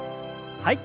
はい。